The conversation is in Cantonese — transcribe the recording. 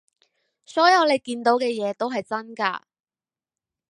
所有你見到嘅嘢都係真㗎